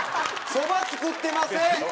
そば作ってません。